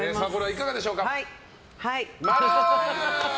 いかがでしょうか？